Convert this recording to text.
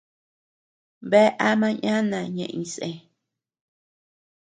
Bea ama yana ñeʼe iñsé.